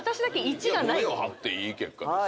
胸を張っていい結果です。